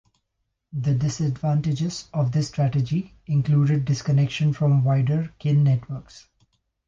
The disadvantages of this strategy included disconnection from wider kin networks.